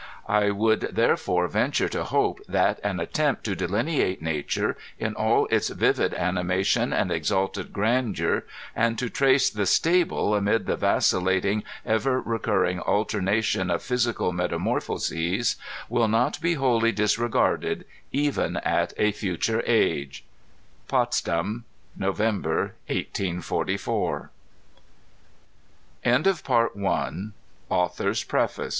I would, therefore, venture to hope that an attempt to delineate nature in all its vivid ani mation and exalted grandeur, and to trace the stable amid the vacillating, ever recurring alternation of physical metamorph oses, will not be wholly disregarded even at a future age. Potsdam, Nov., 1844. CONTENTS OF VOL I.